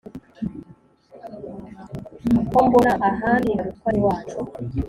ko mbona ahandi harutwa n’iwacu